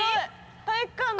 体育館だ！